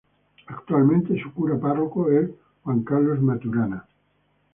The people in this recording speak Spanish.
Actualmente su Cura Párroco es Juan Carlos Maturana--